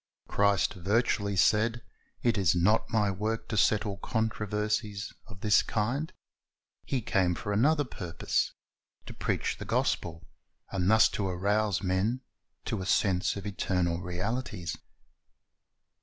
Christ virtually said, It is not My work to settle controversies of this kind. He came for another purpose, to preach the gospel, and thus to arouse men to a sense of eternal realities.